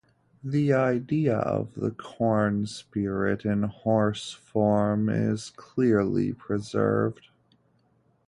The idea of the corn spirit in horse form is clearly preserved.